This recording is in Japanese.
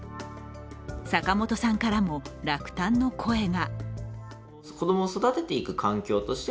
坂本さんからも落胆の声が。